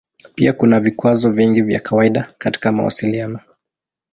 Pia kuna vikwazo vingi vya kawaida katika mawasiliano.